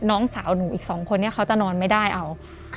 น้องสาวหนูอีก๒คนนี้เขาจะนอนไม่ได้เอา